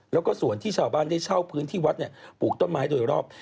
แล้วก็ส่วนที่ชาวบ้านได้เช่าพื้นที่วัดปลูกต้นไม้โดยรอบ